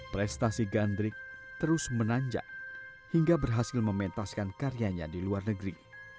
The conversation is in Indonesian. prestasi gandrik terus menanjak hingga berhasil mementaskan karyanya di luar negeri